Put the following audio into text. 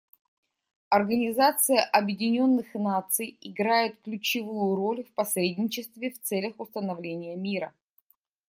Организация Объединенных Наций играет ключевую роль в посредничестве в целях установления мира.